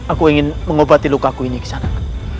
aku ingin mengobati lukaku ini kisanak